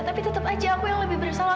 tapi tetap aja aku yang lebih bersalah